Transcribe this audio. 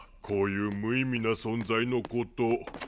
こういう無意味な存在のこと。